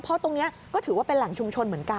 เพราะตรงนี้ก็ถือว่าเป็นแหล่งชุมชนเหมือนกัน